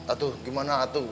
atuh gimana atuh